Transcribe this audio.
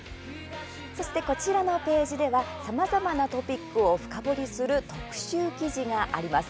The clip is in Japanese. そして、こちらのページではさまざまなトピックを深掘りする特集記事があります。